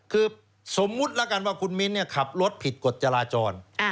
คือสมมุติแล้วกันว่าคุณมิ้นขับรถผิดกฎจราจร